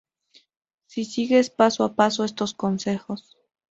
Si sigues paso a paso estos consejos